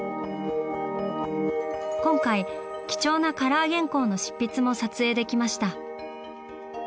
今回貴重なカラー原稿の執筆も撮影できました。